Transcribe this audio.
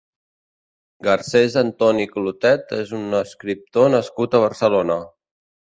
Garcés Antoni Clotet és un escriptor nascut a Barcelona.